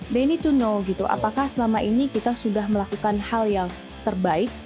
day to know gitu apakah selama ini kita sudah melakukan hal yang terbaik